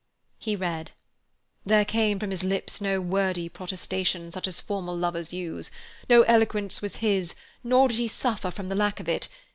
He read: "'There came from his lips no wordy protestation such as formal lovers use. No eloquence was his, nor did he suffer from the lack of it.